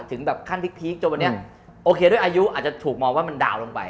ถึงแบบขั้นพีคจนวันนี้โอเคด้วยอายุอาจจะถูกมองว่ามันดาวนลงไป